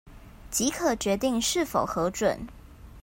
即可決定是否核准